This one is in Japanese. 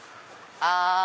あ！